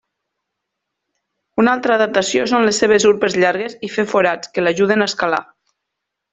Una altra adaptació són les seves urpes llargues i fer forats, que l'ajuden a escalar.